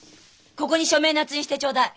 ここに署名捺印してちょうだい。